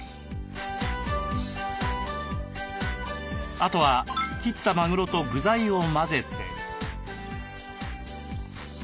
あとは切ったマグロと具材を混ぜて。